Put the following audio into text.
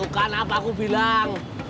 tukan apa ku bilang